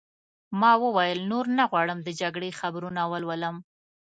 ما وویل: نور نه غواړم د جګړې خبرونه ولولم.